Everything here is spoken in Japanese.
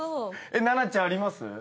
奈々ちゃんあります？